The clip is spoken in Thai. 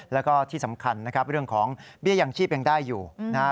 แล้วก็ที่สำคัญนะครับเรื่องของเบี้ยยังชีพยังได้อยู่นะฮะ